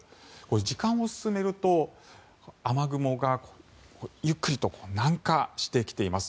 時間を進めると雨雲がゆっくりと南下してきています。